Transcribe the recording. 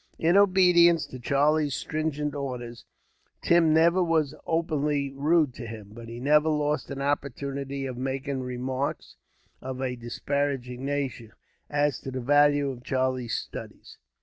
In obedience to Charlie's stringent orders, Tim never was openly rude to him; but he never lost an opportunity of making remarks, of a disparaging nature, as to the value of Charlie's studies.